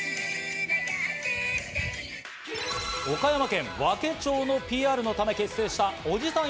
岡山県和気町のＰＲのため結成したおじさん